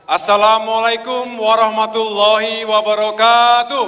assalamualaikum warahmatullahi wabarakatuh